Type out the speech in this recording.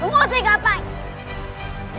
mengusik apa ini